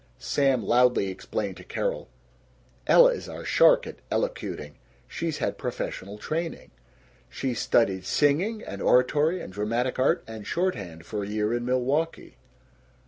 Sam loudly explained to Carol, "Ella is our shark at elocuting. She's had professional training. She studied singing and oratory and dramatic art and shorthand for a year, in Milwaukee."